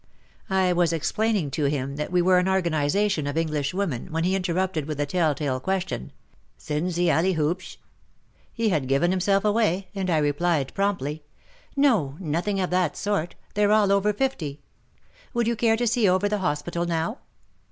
I was explaining to him that we were an organization of English women, when he interrupted with the tell tale question, Sind sie alle hiibsch?" He had given himself away, and I replied promptly, *' No — nothing of that sort, they're all over fifty. Would you care to see over the hospital now